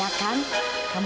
jako teman kamu